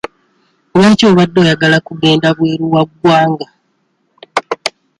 Lwaki obadde oyagala kugenda bweru wa ggwanga?